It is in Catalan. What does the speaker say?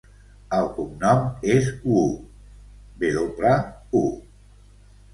El cognom és Wu: ve doble, u.